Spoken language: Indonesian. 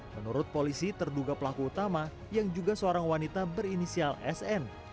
menurut polisi terduga pelaku utama yang juga seorang wanita berinisial sn